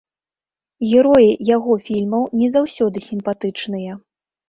Героі яго фільмаў не заўсёды сімпатычныя.